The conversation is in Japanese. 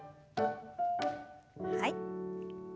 はい。